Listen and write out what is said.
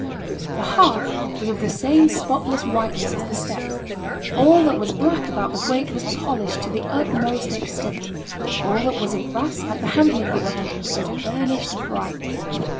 The hearth was of the same spotless whiteness as the steps; all that was black about the grate was polished to the utmost extent; all that was of brass, like the handle of the oven, was burnished bright.